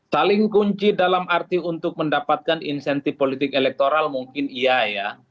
saling kunci dalam arti untuk mendapatkan insentif politik elektoral mungkin iya ya